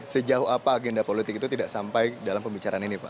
sejauh apa agenda politik itu tidak sampai dalam pembicaraan ini pak